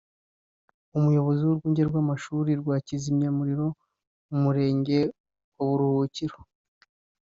Umuyobozi w’Urwunge rw’Amashuri rwa Kizimyamuriro mu Murenge wa Buruhukiro